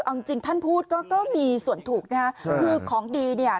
เอาจริงท่านพูดก็ก็มีส่วนถูกนะฮะคือของดีเนี่ย